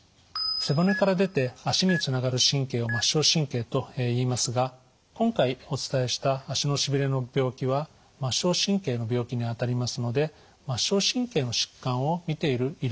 背骨から出て足につながる神経を末梢神経といいますが今回お伝えした足のしびれの病気は末梢神経の病気にあたりますので末梢神経の疾患を診ている医療機関を受診するのが大切だと思います。